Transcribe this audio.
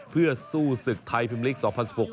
เพื่อสู้ศึกไทยพิมพลิก๒๐๑๖